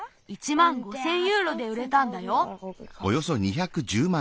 まん５，０００ユーロでうれたんだよ。